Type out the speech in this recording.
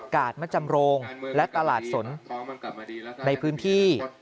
มจำโรงและตลาดสนในพื้นที่